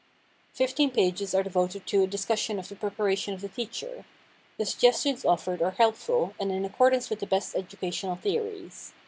Fifteen pages are devoted to a discussion of the preparation of the teacher. The suggestions offered are helpful, and in accordance with the best educational theories.